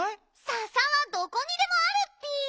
ササはどこにでもあるッピ！